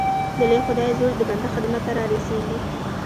د لوی خدای زور د بنده خدمت ته را رسېږي